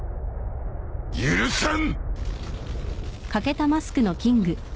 許さん！